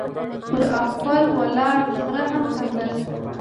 ، پر اخوره ولاړ خره هم خندل،